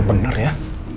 emang bener bener ya